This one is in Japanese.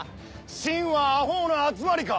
秦はアホウの集まりか！